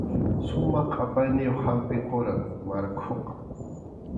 Sumaq qʼapayniyuq hampi quram markhuqa.